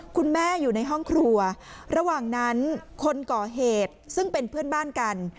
คุณแม่อยู่ในห้องครัวระหว่างนั้นคนก่อเหตุซึ่งเป็นเพื่อนบ้านกัน